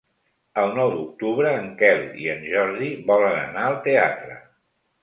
El nou d'octubre en Quel i en Jordi volen anar al teatre.